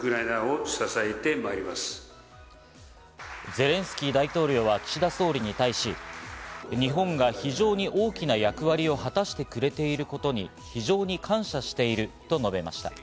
ゼレンスキー大統領は岸田総理に対し、日本が非常に大きな役割を果たしてくれていることに非常に感謝していると述べました。